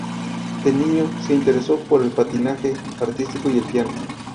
De niño, se interesó por el patinaje artístico y el piano.